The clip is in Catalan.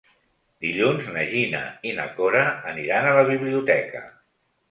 Dilluns na Gina i na Cora aniran a la biblioteca.